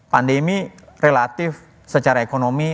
pandemi relatif secara ekonomi